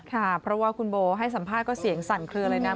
ค่ะเพราะว่าคุณโบให้สัมภาษณ์ก็เสียงสั่นเคลือเลยนะ